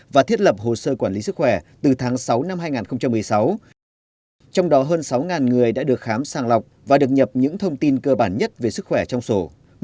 và thiết lập hồ sơ quản lý sức khỏe từ tháng sáu năm hai nghìn một mươi sáu trong đó hơn sáu người đã được khám sàng lọc và được nhập những thông tin cơ bản nhất về sức khỏe trong sổ